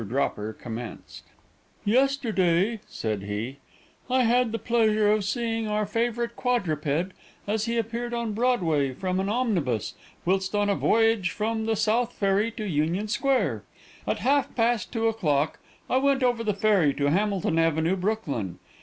Dropper commenced: "Yesterday," said he, "I had the pleasure of seeing our favorite quadruped as he appeared on Broadway, from an omnibus, whilst on a voyage from the South Ferry to Union Square. At half past two o'clock I went over the ferry to Hamilton Avenue, Brooklyn.